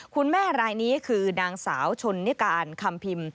คุณแม่รายนี้คือนางสาวชนนิการคำพิม